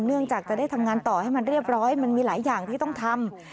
เนื่องจากจะได้ทำงานต่อให้มันเรียบร้อยมันมีหลายอย่างที่ต้องทำ